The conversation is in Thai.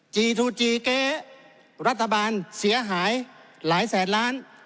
จีทูจีเก๊รัฐบาลเสียหายหลายแสนล้าน